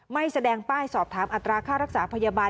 ไม่แสดงป้ายสอบถามอัตราค่ารักษาพยาบาล